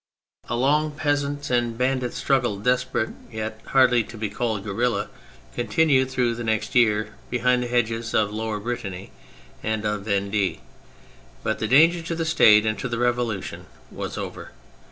A long peasant and bandit struggle, desperate yet hardly to be called guerilla, continued through the next year behind the hedges of Lower Brittany and of Vendee, but the danger to the State and to the Revolution was over.